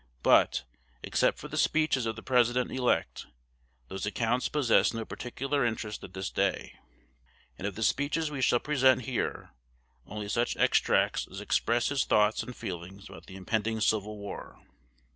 But, except for the speeches of the President elect, those accounts possess no particular interest at this day; and of the speeches we shall present here only such extracts as express his thoughts and feelings about the impending civil war.